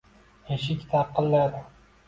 Eshik taqilladi